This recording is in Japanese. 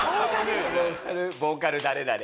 「ボーカル誰々」。